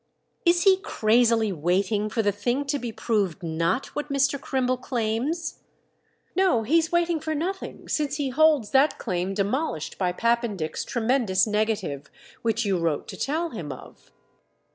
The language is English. "Is he crazily waiting for the thing to be proved not what Mr. Crimble claims?" "No, he's waiting for nothing—since he holds that claim demolished by Pappendick's tremendous negative, which you wrote to tell him of."